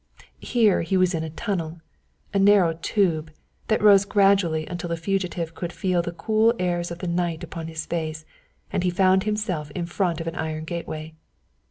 Here he was in a tunnel, a narrow tube, that rose gradually until the fugitive could feel the cool airs of the night upon his face, and he found himself in front of an iron gateway.